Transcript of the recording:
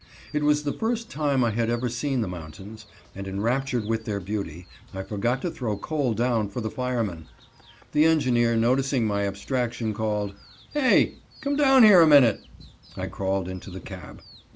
It was the first time I had ever seen the mountains, and enraptured with their beauty, I forgot to throw coal down for the fireman. The engineer, noticing my abstraction, called: "Hey, come down here a minute." I crawled into the cab.